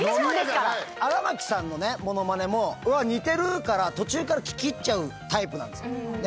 荒牧さんのモノマネもうわっ似てる！から途中から聞き入っちゃうタイプなんですよね。